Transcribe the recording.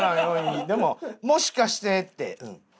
でももしかしてって。